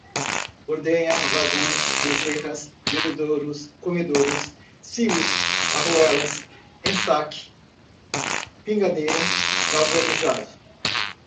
ordenha, vagões, bezerras, bebedouros, comedouros, silos, arruelas, ensaque, pingadeira, galvanizado